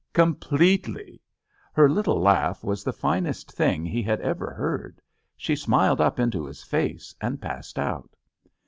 "Completely." Her little laugh was the finest thing he had ever heard. She smiled up into his face and passed out.